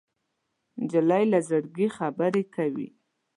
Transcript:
نجلۍ له زړګي خبرې کوي.